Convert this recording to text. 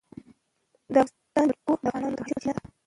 د افغانستان جلکو د افغانانو د معیشت سرچینه ده.